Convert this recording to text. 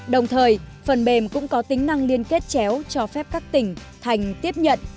đồng thời phần mềm cũng có tính năng liên kết chéo cho phép các tỉnh thành tiếp nhận